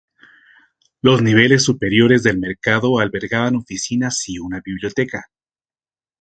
Los niveles superiores del mercado albergaban oficinas y una biblioteca.